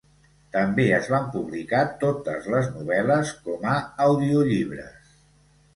També es van publicar totes les novel·les com a audiollibres.